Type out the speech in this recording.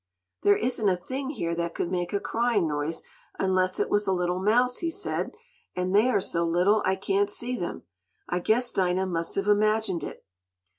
"There isn't a thing here that could make a crying noise, unless it was a little mouse," he said, "and they are so little, I can't see them. I guess Dinah must have imagined it."